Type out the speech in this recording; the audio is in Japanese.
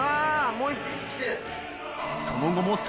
もう１匹来てる。